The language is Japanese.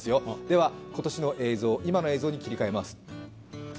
では今年の映像、今の映像に切り替えます。